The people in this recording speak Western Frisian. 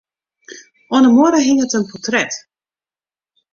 Oan 'e muorre hinget in portret.